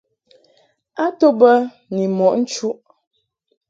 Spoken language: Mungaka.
A to bə ni mɔʼ nchuʼ.